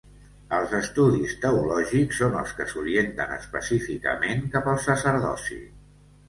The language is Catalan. Els estudis teològics són els que s’orienten específicament cap al sacerdoci.